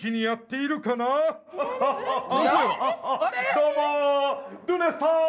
どうも。